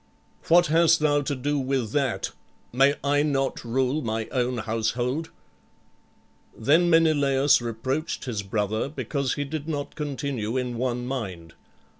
"What hast thou to do with that? May I not rule my own household?" Then Menelaüs reproached his brother because he did not continue in one mind.